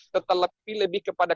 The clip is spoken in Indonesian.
tetapi lebih kepada